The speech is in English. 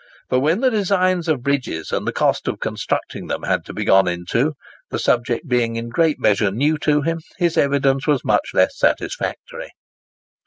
But when the designs of bridges and the cost of constructing them had to be gone into, the subject being in a great measure new to him, his evidence was much less satisfactory.